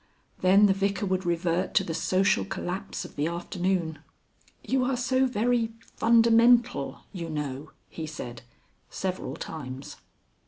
Then the Vicar would revert to the social collapse of the afternoon. "You are so very fundamental, you know," he said several times.